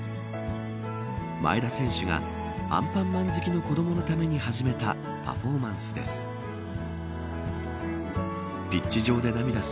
前田選手がアンパンマン好きの子どものために始めたパフォーマンスです。